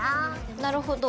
なるほど。